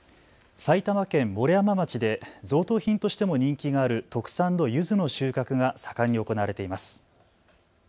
埼玉県毛呂山町で贈答品としても人気がある特産のゆずの収穫が盛んに行われています。